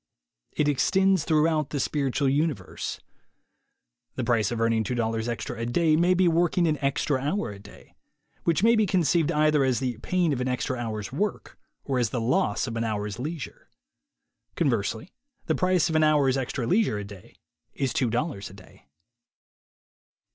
It extends through out the spiritual universe. The price of earning $2 extra a day may be working an extra hour a day; which may be conceived either as the pain of an extra hour's work or as the loss of an hour's leisure. Conversely, the price of an hour's extra leisure a day is $2 a day.